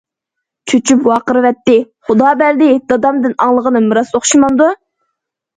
---- چۈچۈپ ۋارقىرىۋەتتى خۇدابەردى،----- دادامدىن ئاڭلىغىنىم راست ئوخشىمامدۇ.